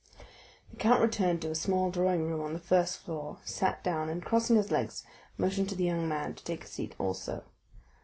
The count returned to a small drawing room on the first floor, sat down, and crossing his legs motioned to the young man to take a seat also.